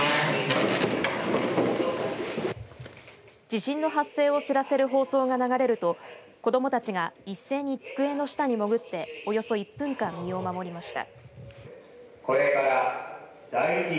地震の発生を知らせる放送が流れると子どもたちが一斉に机の下にもぐっておよそ１分間、身を守りました。